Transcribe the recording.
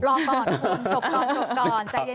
รอก่อนทุกคนจบก่อนจบก่อน